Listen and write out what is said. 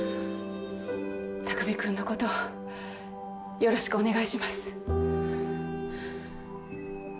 匠君のことよろしくお願いします。